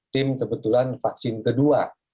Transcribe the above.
tim kebetulan vaksin kedua